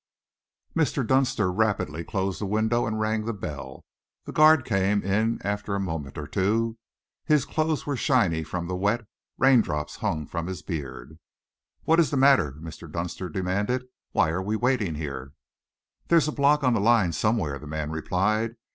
Mr. Dunster rapidly closed the window and rang the bell. The guard came in after a moment or two. His clothes were shiny from the wet; raindrops hung from his beard. "What is the matter?" Mr. Dunster demanded. "Why are we waiting here?" "There's a block on the line somewhere," the man replied.